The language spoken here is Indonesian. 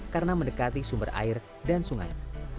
karena mendekati sumber air dan sungai